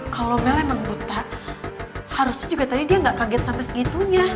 kalau mel emang buta harusnya juga tadi dia gak kaget sampe segitunya